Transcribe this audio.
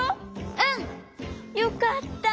うん！よかった！